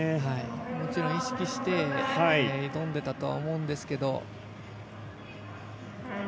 もちろん、意識して挑んだとは思うんですけど。